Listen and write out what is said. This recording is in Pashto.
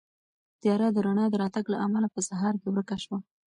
تیاره د رڼا د راتګ له امله په سهار کې ورکه شوه.